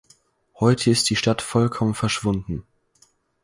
Heute ist die Stadt vollkommen verschwunden.